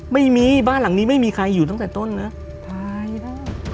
ไม่มีบ้านหลังนี้ไม่มีใครอยู่ตั้งแต่ต้นนะตายแล้ว